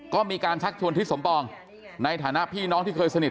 ก็มีการชักชวนทิศสมปองในฐานะพี่น้องที่เคยสนิท